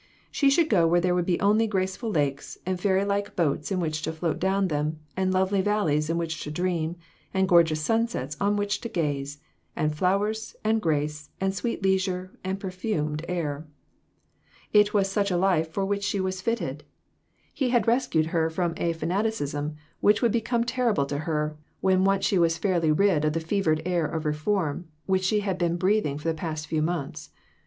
She should go where there would be only graceful lakes, and fairylike boats in which to float down them, and lovely valleys in which to dream, and gorgeous sunsets on which to gaze, and flowers, and grace, and sweet leisure, and per fumed air. It was such a life for which she was fitted. 4i 8 j. s. R. He had rescued her from a fanaticism which would become terrible to her, when once she was fairly rid of the fevered air of reform, which she had been breathing for the past few months.